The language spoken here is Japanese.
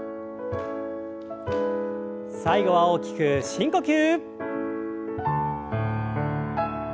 最後は大きく深呼吸。